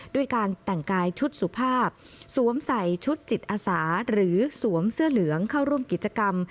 ด้วยการแต่งกายชุดสุภาพสวมใส่ชุดจิตอาสาหรือสวมเสื้อเหลืองเข้าร่วมกิจกรรม